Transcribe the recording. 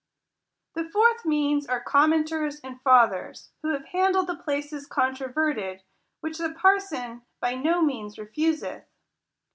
— The fourth means are commenters and fathers, who have handled the places controverted ; which the parson by no means refuseth.